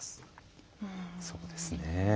そうですね。